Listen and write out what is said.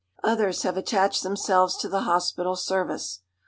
Others have attached themselves to the hospital service.